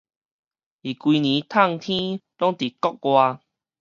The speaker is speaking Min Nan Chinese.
伊規年迵天攏佇國外